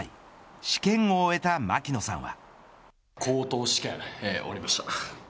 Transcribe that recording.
試験を終えた槙野さんは。